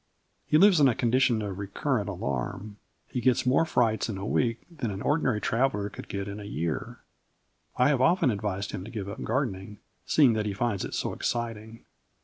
He lives in a condition of recurrent alarm. He gets more frights in a week than an ordinary traveller could get in a year. I have often advised him to give up gardening, seeing that he finds it so exciting.